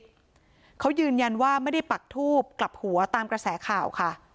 เขายืนยันว่าไม่ได้ปักทูบกลับหัวตามกระแสข่าวค่ะ